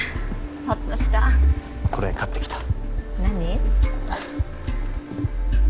ホッとしたこれ買ってきた何？